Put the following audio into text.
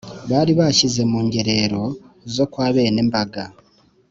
Balibashyize mu ngerero zo kwa bene Mbaga